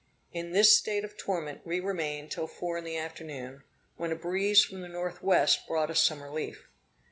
In this state of torment we remained till four in the afternoon, when a breeze from the northwest brought us some relief.